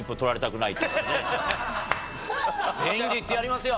全員でいってやりますよ！